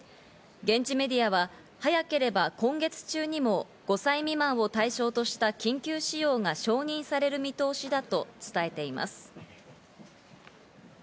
現地メディアは早ければ今月中にも５歳未満を対象とした緊急使用が承認される見通しだと伝えています。